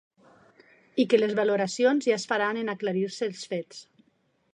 I que les valoracions ja es faran en aclarir-se els fets.